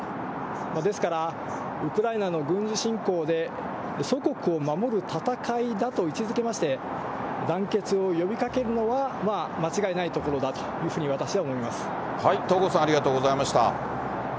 ですから、ウクライナの軍事侵攻で祖国を守る戦いだと位置づけまして、団結を呼びかけるのは間違いないところだというふうに私は思いま東郷さん、ありがとうございました。